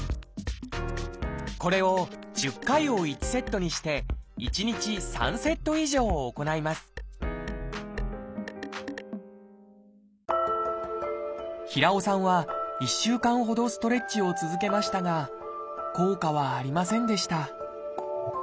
これを１０回を１セットにして１日３セット以上行います平尾さんは１週間ほどストレッチを続けましたが効果はありませんでした